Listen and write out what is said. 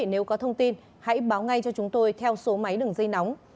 nếu có thông tin hãy báo ngay cho chúng tôi theo số máy đường dây nóng